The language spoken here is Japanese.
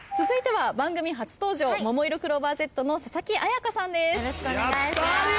続いては番組初登場ももいろクローバーＺの佐々木彩夏さんです。